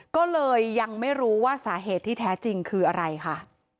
ก็เลยยังไม่รู้ว่าสาเหตุที่แท้จริงคืออะไรค่ะ